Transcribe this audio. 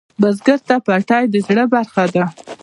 بزګر ته پټی د زړۀ برخه ده